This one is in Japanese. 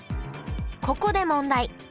ここで問題。